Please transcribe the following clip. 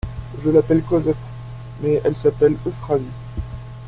Je l'appelle Cosette, mais elle s'appelle Euphrasie.